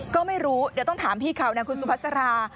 ก็ไม่รู้เดี๋ยวต้องถามพี่เขานะคุณสุภาษา